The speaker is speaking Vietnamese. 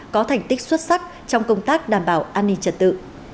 có thành tích xuất sắc trong công tác đảm bảo an ninh trật tự